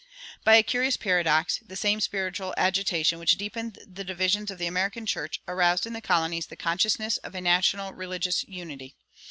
By a curious paradox, the same spiritual agitation which deepened the divisions of the American church aroused in the colonies the consciousness of a national religious unity.